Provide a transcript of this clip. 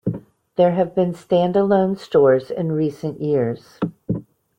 There have been stand-alone stores in recent years.